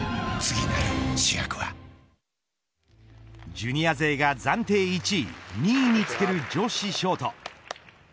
ジュニア勢が暫定１位２位につける女子ショート。